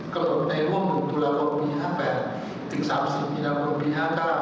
กำหนดในร่วมหนึ่งตุลากรมปี๕๘๓๐ปีนับกรมปี๕๕